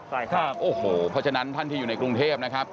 ใช่ครับโอ้โหเพราะฉะนั้นท่านที่อยู่ในกรุงเทพนะครับ